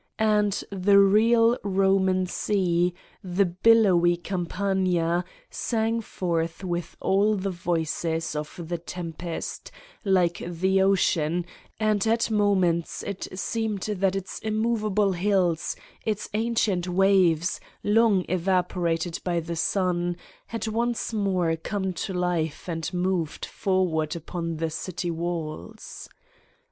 And the real Eoman sea, the bil lowy Campagna, sang forth with all the voices of the tempest, like the ocean, and at moments it seemed that its immovable hills, its ancient waves, long evaporated by the sun, had once more come to life and moved forward upon the city walls.